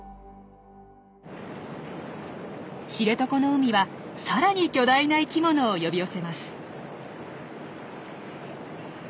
知床の海はさらに巨大な生きものを呼び寄せます。